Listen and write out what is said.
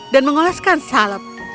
dan mengoleskan salep